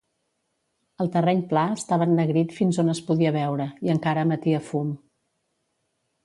El terreny pla estava ennegrit fins on es podia veure, i encara emetia fum.